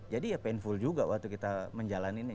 jadi ya painful juga waktu kita menjalannya